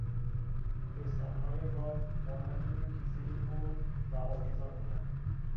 پستانهای گاو، مانند دو کیسهی پر و آویزان بودند.